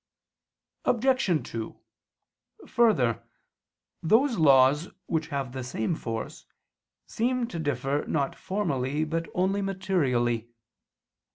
Obj. 2: Further, those laws which have the same force, seem to differ not formally but only materially.